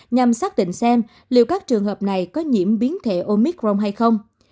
nhằm xác định xem liệu các trường hợp này có nhiễm biến thể omicron hay không